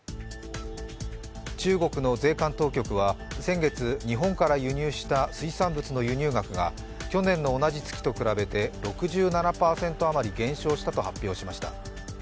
中国の税関当局は先月、日本から輸入した水産物の輸入額が去年の同じ月と比べて６７％余り減少したと発表しました。